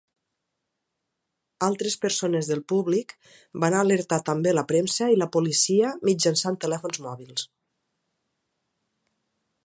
Altres persones del públic van alertar també la premsa i la policia mitjançant telèfons mòbils.